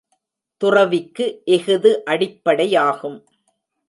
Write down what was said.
துறவிக்கு இஃது அடிப்படையாகும்.